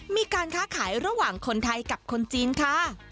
มีการค้าขายระหว่างคนไทยกับคนจีนค่ะ